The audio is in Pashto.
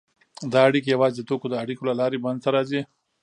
دا اړیکې یوازې د توکو د اړیکو له لارې منځته راځي